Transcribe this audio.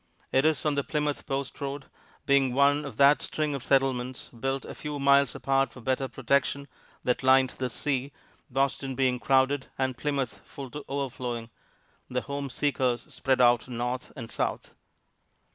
It is on the Plymouth post road, being one of that string of settlements, built a few miles apart for better protection, that lined the sea, Boston being crowded, and Plymouth full to overflowing, the home seekers spread out north and south.